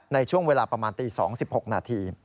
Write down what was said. ในช่วงเวลาประมาณตี๒๖นาที